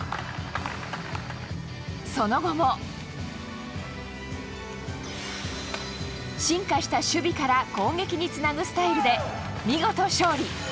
その後も、進化した守備から攻撃につなぐスタイルで見事勝利。